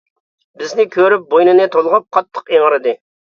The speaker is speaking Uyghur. بىزنى كۆرۈپ بوينىنى تولغاپ، قاتتىق ئىڭرىدى.